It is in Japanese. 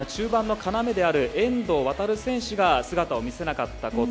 練習の中で中盤の要である遠藤航選手が姿を見せなかったこと。